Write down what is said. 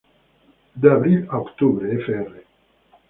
De abril a octubre, fr.